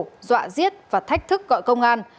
hùng dùng dao kề vào cổ dọa giết và thách thức gọi công an